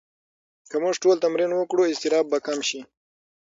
که موږ ټول تمرین وکړو، اضطراب به کم شي.